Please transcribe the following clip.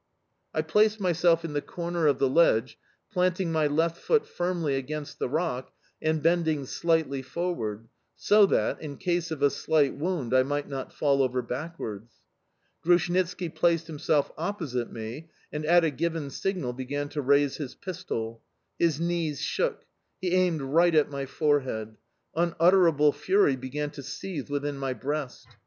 I placed myself in the corner of the ledge, planting my left foot firmly against the rock and bending slightly forward, so that, in case of a slight wound, I might not fall over backwards. Grushnitski placed himself opposite me and, at a given signal, began to raise his pistol. His knees shook. He aimed right at my forehead... Unutterable fury began to seethe within my breast.